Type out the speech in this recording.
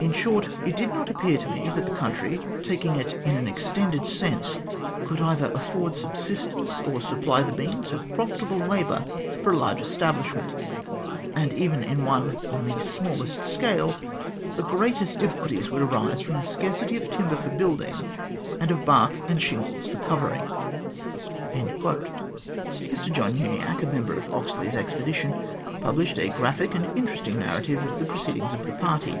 In short, it did not appear to me that the country, taking it in an extended sense, could either afford subsistence, or supply the means of profitable labour for a large establishment ; and even in one on the smallest scale the greatest difficulties would arise from the scarcity of timber for building, and of bark and shingles for covering." Mr John Uniacke, a member of Oxley's Expedition, published a graphic and interesting narrative of the pro ceedings of the party.